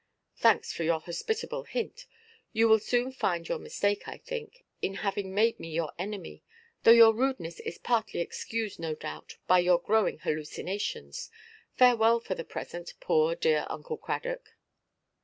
"Thanks for your hospitable hint. You will soon find your mistake, I think, in having made me your enemy; though your rudeness is partly excused, no doubt, by your growing hallucinations. Farewell for the present, poor dear Uncle Cradock."